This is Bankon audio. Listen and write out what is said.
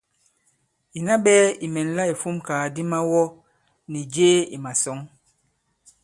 Ìna ɓɛɛ̄ ì mɛ̀nla ìfumkàgàdi mawɔ nì jee ì màsɔ̌ŋ.